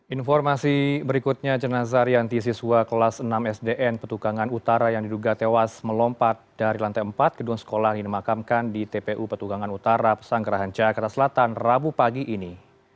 informasi berikutnya jenazah rianti siswa kelas enam sdn petukangan utara yang diduga tewas melompat dari lantai empat gedung sekolah yang dimakamkan di tpu petugangan utara pesanggerahan jakarta selatan rabu pagi ini